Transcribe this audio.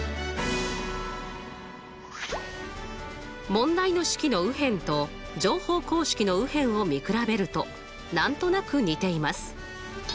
問題の式の右辺と乗法公式の右辺を見比べると何となく似ています。